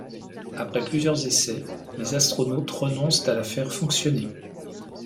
Après plusieurs essais les astronautes renoncent à la faire fonctionner.